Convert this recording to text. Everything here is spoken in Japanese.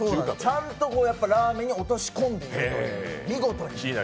ちゃんとラーメンに落とし込んでいるという、見事に。